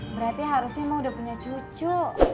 berarti emak harusnya udah punya cucu